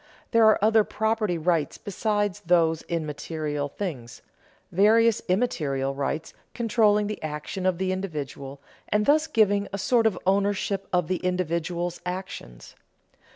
There are other property rights besides those in material things, various immaterial rights controlling the action of the individual and thus giving a sort of ownership of the individual's actions.